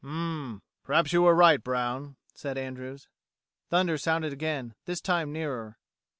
"Hm m m! Perhaps you were right, Brown," said Andrews. Thunder sounded again, this time nearer.